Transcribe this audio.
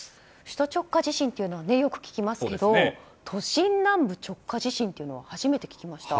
首都直下地震というのはよく聞きますけど都心南部直下地震というのは初めて聞きました。